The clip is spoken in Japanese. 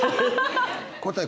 答え